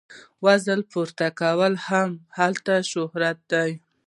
وزنه پورته کول هم هلته مشهور دي.